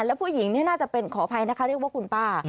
แล้วผู้หญิงนี่น่าจะเป็นขออภัยนะคะเรียกว่าคุณป้า